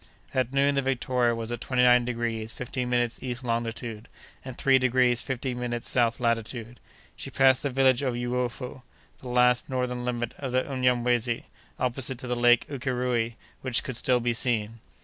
At noon the Victoria was at twenty nine degrees fifteen minutes east longitude, and three degrees fifteen minutes south latitude. She passed the village of Uyofu, the last northern limit of the Unyamwezi, opposite to the Lake Ukéréoué, which could still be seen.